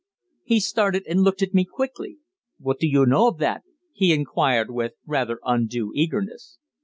He started and looked at me quickly. "What do you know of that?" he inquired, with rather undue eagerness.